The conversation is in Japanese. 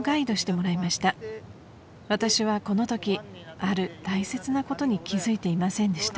［私はこのときある大切なことに気付いていませんでした］